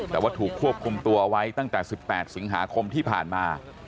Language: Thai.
แต่ว่าถูกควบคุมตัวไว้ตั้งแต่๑๘สิงหาคมที่ผ่านมา